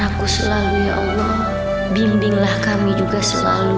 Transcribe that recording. grup sudah pujian dari languages terang